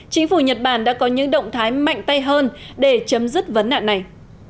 chính phủ nhật bản đã có những động thái mạnh tay hơn để chấm dứt vấn nạn này